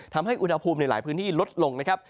ทำให้อุณหภูมิในหลายพื้นที่ลดลงนะครับ